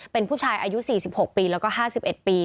เป็นผู้ชายอายุ๔๖ปีแล้วก็๕๑ปี